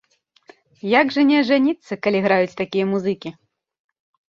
Як жа не ажаніцца, калі граюць такія музыкі!